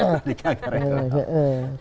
adiknya agak rewel